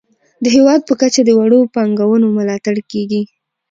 د هیواد په کچه د وړو پانګونو ملاتړ کیږي.